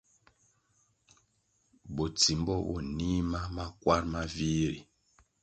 Botsimbo bo nih ma makwar ma vih ri.